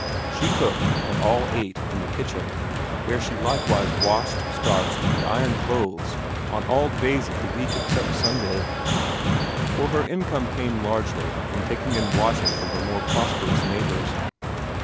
She cooked, and all ate, in the kitchen, where she likewise washed, starched, and ironed clothes on all days of the week except Sunday; for her income came largely from taking in washing from her more prosperous neighbors.